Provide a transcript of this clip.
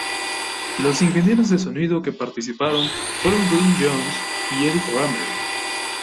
Los ingenieros de sonido que participaron fueron Glyn Johns y Eddie Kramer.